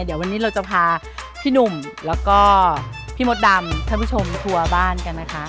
เดี๋ยววันนี้เราจะพาพี่หนุ่มแล้วก็พี่มดดำท่านผู้ชมทัวร์บ้านกันนะคะ